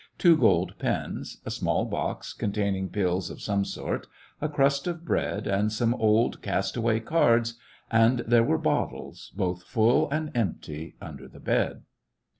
two gold pens, a small box, containing pills of some sort, a crust of bread, and some old, cast away cards, and there were bottles, both full and empty, under the bed.